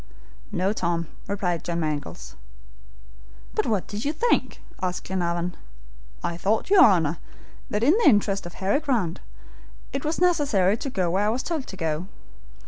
"No, Tom," replied John Mangles. "But what did you think?" asked Glenarvan. "I thought, your Honor, that in the interest of Harry Grant, it was necessary to go where I was told to go.